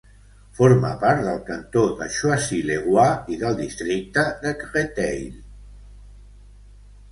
Forma part del cantó de Choisy-le-Roi i del districte de Créteil.